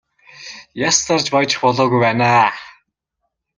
Яс зарж баяжих болоогүй байна аа.